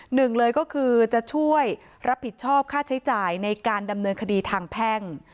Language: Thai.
หนึ่งเลยก็คือจะช่วยรับผิดชอบค่าใช้จ่ายในการดำเนินคดีทางแพ่ง